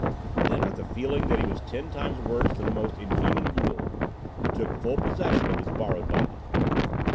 Then, with the feeling that he was ten times worse than the most inhuman ghoul, he took full possession of his borrowed body.